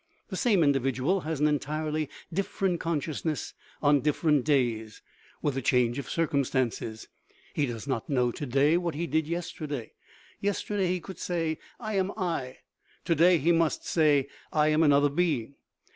The same indi vidual has an entirely different consciousness on dif ferent days, with a change of circumstances ; he does not know to day what he did yesterday : yesterday he could say, " I am I "; to day he must say, " I am an other being."